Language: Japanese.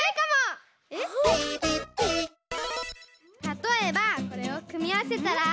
たとえばこれをくみあわせたら。